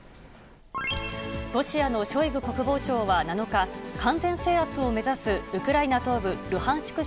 ロシアのショイグ国防相は７日、完全制圧を目指すウクライナ東部ルハンシク